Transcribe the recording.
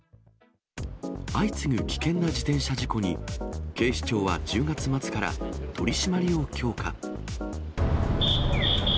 相次ぐ危険な自転車事故に、警視庁は１０月末から取締りを強化。